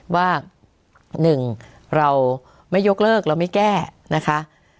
ว่า๑เราไม่ยกเลิกเราไม่แก้นะคะ